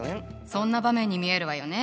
そんな場面に見えるわよね。